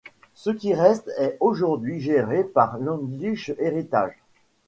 Ce qui reste est aujourd'hui géré par l'English Heritage.